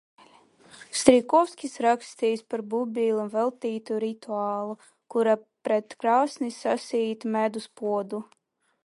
Strijkovskis rakstījis par Bubilam veltītu rituālu, kurā pret krāsni sasita medus podu.